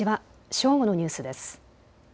正午のニュースです。